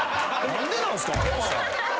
何でなんすか！？